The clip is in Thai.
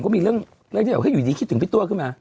ก็มีเรื่องที่แบบอยู่ดีคิดถึงพี่ตัวขึ้นมา